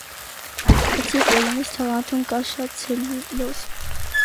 Բացի պոլլենից, թաղանթում կա շատ ցելյուլոզ։